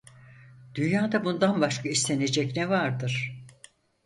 Dünyada bundan başka istenecek ne vardır?